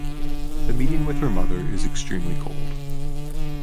The meeting with her mother is extremely cold.